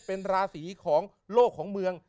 เป็นราศีของโลกของเมือง